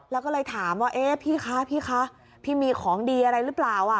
แล้วก็เลยถามว่าพี่คะพี่มีของดีอะไรหรือเปล่า